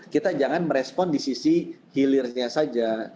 kita jangan merespon di sisi hilirnya saja